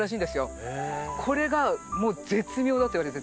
これがもう絶妙だといわれてて。